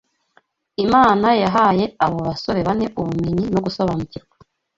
Imana yahaye abo basore bane ubumenyi no gusobanukirwa